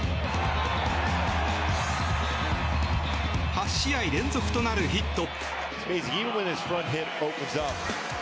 ８試合連続となるヒット。